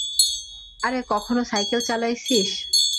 আরে কখনো সাইকেল চালাইছিস?